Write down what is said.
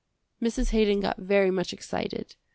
Mrs. Haydon got very much excited.